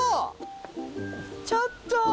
ちょっと！